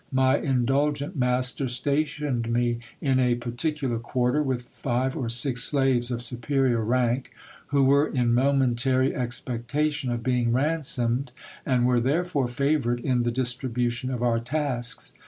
My indulgent master stationed me in a particular quarter, with five or six slaves of superior rank, who were in momentary expectation of being ransomed, and were there fore favoured in the distribution of our tasks.